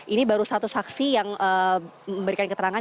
ini baru satu saksi yang memberikan keterangan